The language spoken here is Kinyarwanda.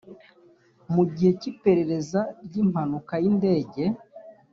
mu gihe cy iperereza ry impanuka y indege